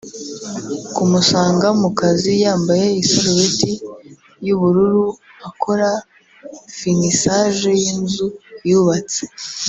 Kumusanga mu kazi yambaye isarubeti y’ubururu akora finisaje y’inzu yubatse